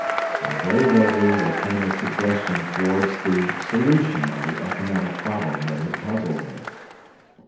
And very vaguely there came a suggestion towards the solution of the economic problem that had puzzled me.